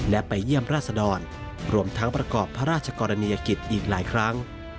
และไปเยี่ยมราชดรรวมทั้งประกอบพระราชกรณียกิจอีกหลายครั้ง